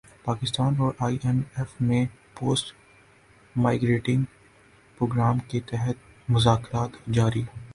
پاکستان اور I M F میں post monitoring programme کے تحت مذاکرات جاری